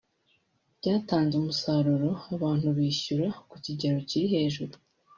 byatanze umusaruro abantu bishyura ku kigero kiri hejuru